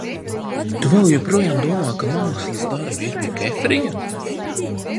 Tu vēl joprojām domā, ka mākslas darbi ir pie Kefrija?